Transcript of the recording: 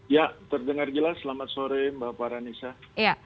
ya terdengar jelas selamat sore mbak farhanisa